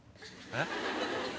えっ？